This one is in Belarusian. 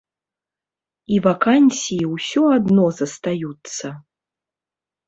І вакансіі ўсё адно застаюцца!